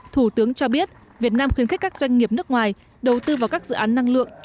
thủ tướng cho biết việt nam khuyến khích các doanh nghiệp nước ngoài đầu tư vào các dự án năng lượng